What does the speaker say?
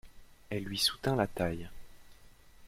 Elle lui soutint la taille.